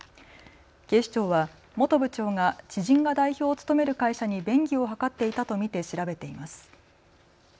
警視庁は元部長が知人が代表を務める会社に便宜を図っていたと見て調べています。